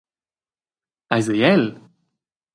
Eis ei el?